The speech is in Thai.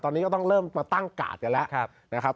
ตอนนี้ก็ต้องเริ่มมาตั้งการ์ดกันแล้ว